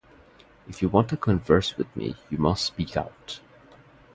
If you want to converse with me, you must speak out.